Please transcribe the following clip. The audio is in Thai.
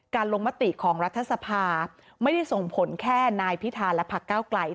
ลงมติของรัฐสภาไม่ได้ส่งผลแค่นายพิธาและพักเก้าไกล